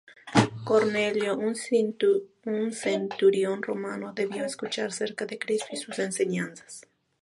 Cornelio, un centurión romano, debió escuchar acerca de Cristo y sus enseñanzas.